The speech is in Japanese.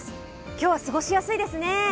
今日は過ごしやすいですね。